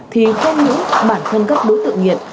thì không những bản thân các đối tượng nghiện